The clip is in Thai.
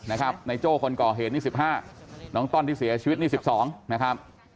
นะครับในโจ้คนก่อเหตุ๒๕น้องต้อนที่เสียชีวิต๒๒นะครับ